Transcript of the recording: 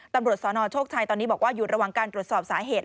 ตำรวจสนโชคชัยตอนนี้บอกว่าอยู่ระหว่างการตรวจสอบสาเหตุ